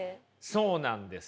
そうなんですよ。